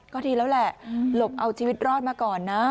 ก็ดีแล้วแหละหลบเอาชีวิตรอดมาก่อนนะ